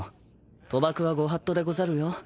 賭博はご法度でござるよ。